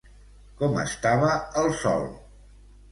Com estava el sol?